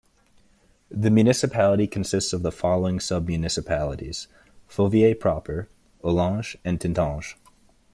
The municipality consists of the following sub-municipalities: Fauvillers proper, Hollange, and Tintange.